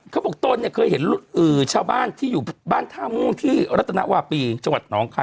ตนเนี่ยเคยเห็นชาวบ้านที่อยู่บ้านท่าม่วงที่รัตนวาปีจังหวัดหนองคาย